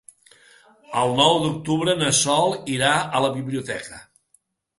El nou d'octubre na Sol irà a la biblioteca.